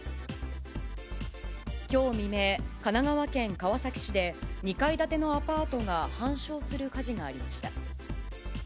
きょう未明、神奈川県川崎市で２階建てのアパートが半焼する火事がありました。